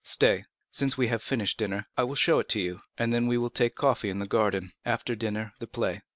Stay, since we have finished dinner, I will show it to you, and then we will take coffee in the garden. After dinner, the play."